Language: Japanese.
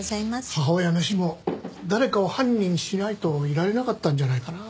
母親の死も誰かを犯人にしないといられなかったんじゃないかな。